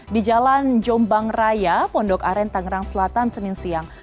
di jalan jombang raya pondok aren tangerang selatan senin siang